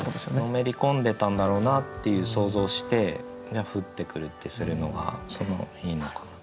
のめり込んでたんだろうなっていう想像をして「降ってくる」ってするのがいいのかなと。